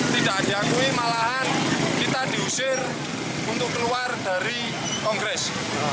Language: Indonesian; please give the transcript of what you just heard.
tidak diakui malahan kita diusir untuk keluar dari kongres